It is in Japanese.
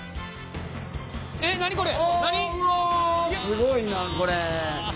すごいなこれ。